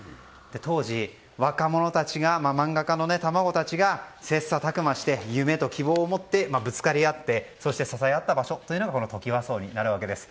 当時、若者たち漫画家の卵たちが切磋琢磨して、夢と希望を持ってぶつかり合って支えあった場所がトキワ荘になるわけです。